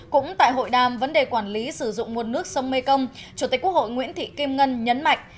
cũng tại hội đàm vấn đề quản lý sử dụng nguồn nước sông mekong chủ tịch quốc hội nguyễn thị kim ngân nhấn mạnh